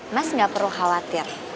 mas gak perlu khawatir